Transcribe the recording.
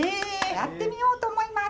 やってみようと思います。